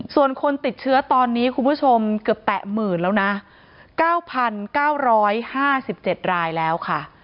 ส่วนคนติดเชื้อตอนนี้คุณผู้ชมเกือบแตะหมื่นแล้วนะ๙๙๕๗รายแล้วค่ะ